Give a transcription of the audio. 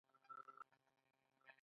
ایا زه میوه خوړلی شم؟